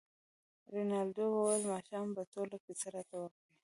رینالډي وویل ماښام به ټوله کیسه راته وکړې.